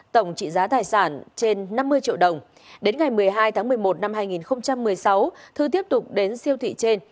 tổng trị giá tài sản trên năm mươi triệu đồng đến ngày một mươi hai tháng một mươi một năm hai nghìn một mươi sáu thư tiếp tục đến siêu thị trên